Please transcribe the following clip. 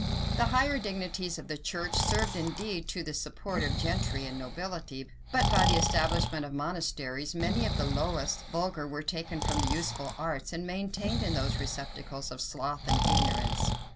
The higher dignities of the church served, indeed, to the support of gentry and nobility; but by the establishment of monasteries, many of the lowest vulgar were taken from the useful arts, and maintained in those receptacles of sloth and ignorance.